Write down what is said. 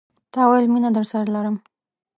تا ویل، مینه درسره لرم